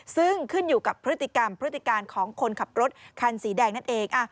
ซึ่งขึ้นอยู่กับพฤติกรรมพฤติการของคนขับรถคันสีแดงนั่นเอง